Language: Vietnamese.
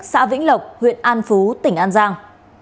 xã vĩnh lộc huyện an phú tỉnh an giang